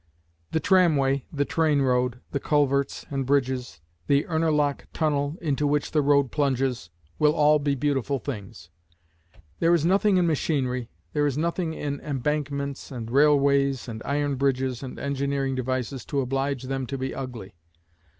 The tramway, the train road, the culverts, and bridges, the Urnerloch tunnel, into which the road plunges, will all be beautiful things. There is nothing in machinery, there is nothing in embankments and railways and iron bridges and engineering devices to oblige them to be ugly.